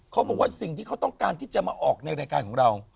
เขาบอกว่าสิ่งที่เขาต้องการที่จะมาออกในรายการของเรา